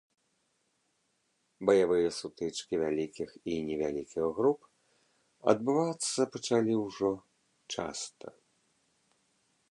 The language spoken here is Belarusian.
Баявыя сутычкі вялікіх і невялікіх груп адбывацца пачалі ўжо часта.